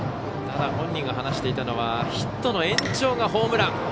ただ、本人が話していたのはヒットの延長がホームラン。